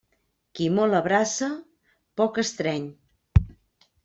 Qui molt abraça, poc estreny.